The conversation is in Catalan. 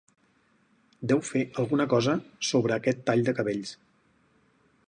Deu fer alguna cosa sobre aquest tall de cabells.